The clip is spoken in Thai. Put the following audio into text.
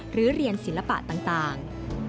หรือเรียนศิลปะต่าง